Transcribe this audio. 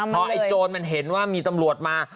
พอไอ้โจรมันเห็นว่ามีตำรวจมา